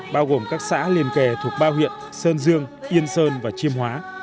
bao gồm các xã liên kề thuộc ba huyện sơn dương yên sơn và chiêm hóa